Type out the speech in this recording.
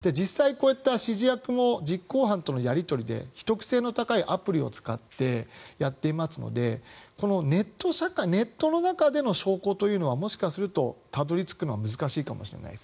実際こうやって指示役も実行犯とのやり取りで秘匿性の高いアプリを使ってやっていますのでネットの中での証拠というのはもしかするとたどり着くのは難しいかもしれないです。